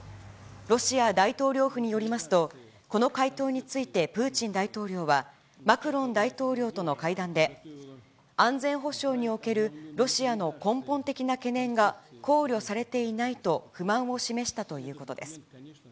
ロシア大統領府によりますと、この回答についてプーチン大統領は、マクロン大統領との会談で、安全保障におけるロシアの根本的な懸念が考慮されていないと不満を示したということです。